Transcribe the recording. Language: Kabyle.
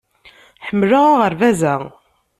Ḥemmleɣ aɣerbaz-a.